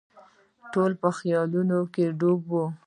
ټول په خیالونو کې ډوب وو.